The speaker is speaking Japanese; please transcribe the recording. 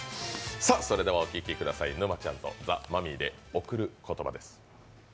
それではお聴きください、沼ちゃんとザ・マミィで「贈る言葉」です。